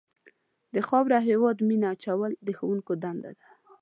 د خاورې او هېواد مینه اچول د ښوونکو دنده ده.